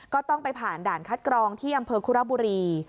ก็ต้องไปผ่านด่านคัดกรองที่อำเภอคุระบุรี